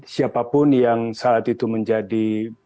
siapapun yang saat itu menjadi